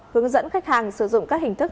hướng dẫn khách hàng sử dụng các hình thức